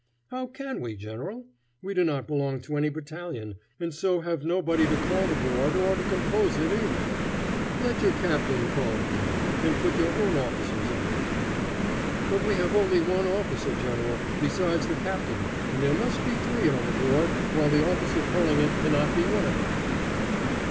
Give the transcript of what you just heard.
"How can we, general? We do not belong to any battalion, and so have nobody to call the board or to compose it, either." "Let your captain call it then, and put your own officers on it." "But we have only one officer, general, besides the captain, and there must be three on the board, while the officer calling it cannot be one of them."